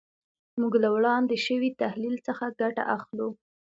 موږ له وړاندې شوي تحلیل څخه ګټه اخلو.